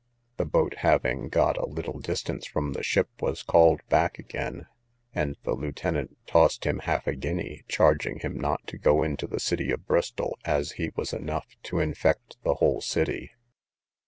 The boat having got a little distance from the ship, was called back again, and the lieutenant tossed him half a guinea, charging him not to go into the city of Bristol, as he was enough to infect the whole city.